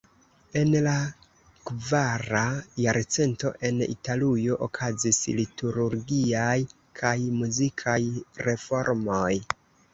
En la kvara jarcento en Italujo okazis liturgiaj kaj muzikaj reformoj.